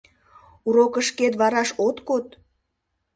— Урокышкет вараш от код?